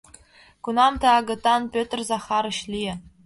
Кунам ты агытан Пӧтыр Захарыч лие?